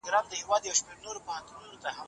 خپل ږغ د پښتو د تاریخي او ډیجیټل بقا لپاره ثبت کړئ.